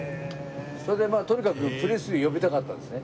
それでまあとにかくプレスリー呼びたかったんですね